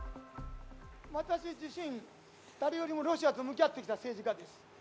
私自身、誰よりもロシアと向き合ってきた政治家です。